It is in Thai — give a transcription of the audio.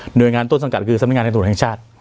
หน่วยงานต้นสังกัดคือสำนักงานแห่งตัวแห่งชาติ